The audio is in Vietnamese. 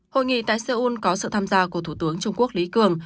hội nghị tại seoul có sự tham gia của thủ tướng trung quốc lý cường